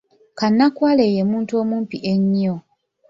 Kannakwale ye muntu omumpi ennyo.